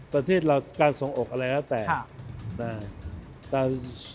ประเทศเราการส่งออกอะไรแล้วแต่